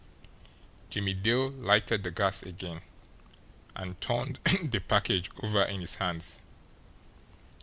Jimmie Dale lighted the gas again, and turned the package over in his hands.